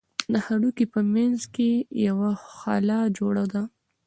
د هډوکي په منځ کښې يوه خلا جوړه ده.